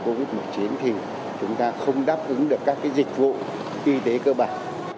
covid một mươi chín thì chúng ta không đáp ứng được các dịch vụ y tế cơ bản